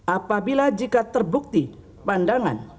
apabila jika terbukti pandangan